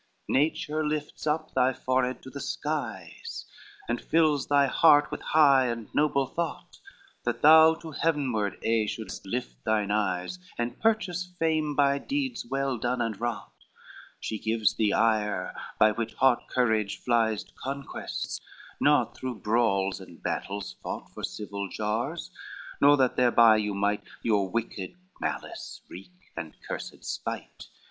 LXII "Nature lifts up thy forehead to the skies, And fills thy heart with high and noble thought, That thou to heavenward aye shouldst lift thine eyes, And purchase fame by deeds well done and wrought; She gives thee ire, by which not courage flies To conquests, not through brawls and battles fought For civil jars, nor that thereby you might Your wicked malice wreak and cursed spite.